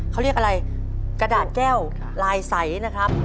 เขาเรียกอะไรกระดาษแก้วลายใสนะครับ